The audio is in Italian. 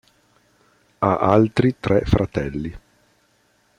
Ha altri tre fratelli.